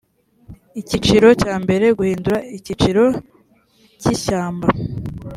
icyiciro cya mbere guhindura icyiciro cy ishyamba